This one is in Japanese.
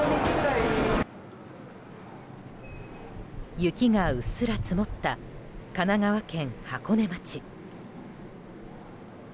雪がうっすら積もった神奈川県箱根町。